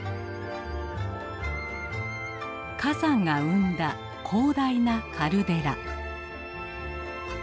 火山が生んだ広大なカルデラ。